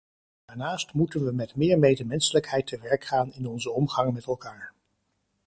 Daarnaast moeten we met meer medemenselijkheid te werk gaan in onze omgang met elkaar.